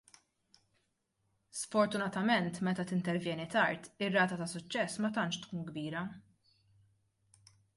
Sfortunatament meta tintervjeni tard ir-rata ta' suċċess ma tantx tkun kbira.